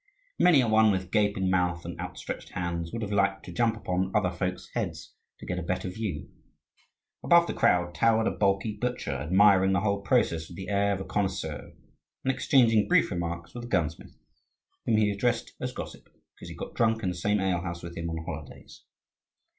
Many a one, with gaping mouth and outstretched hands, would have liked to jump upon other folk's heads, to get a better view. Above the crowd towered a bulky butcher, admiring the whole process with the air of a connoisseur, and exchanging brief remarks with a gunsmith, whom he addressed as "Gossip," because he got drunk in the same alehouse with him on holidays.